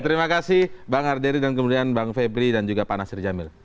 terima kasih bang arderi dan kemudian bang febri dan juga pak nasir jamil